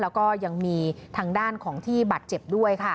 แล้วก็ยังมีทางด้านของที่บาดเจ็บด้วยค่ะ